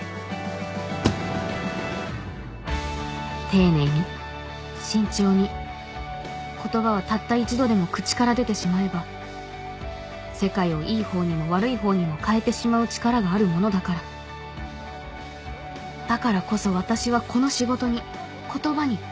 丁寧に慎重に言葉はたった一度でも口から出てしまえば世界をいいほうにも悪いほうにも変えてしまう力があるものだからだからこそ私はこの仕事に言葉に誇りを持っている